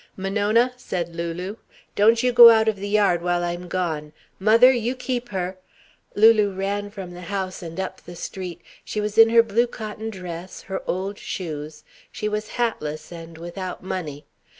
"Monona," said Lulu, "don't you go out of the yard while I'm gone. Mother, you keep her " Lulu ran from the house and up the street. She was in her blue cotton dress, her old shoes, she was hatless and without money.